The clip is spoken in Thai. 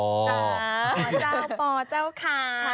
เจ้าปอเจ้าขา